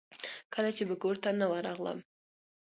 کله چې به کورته نه ورغلم.